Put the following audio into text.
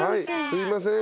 すいません。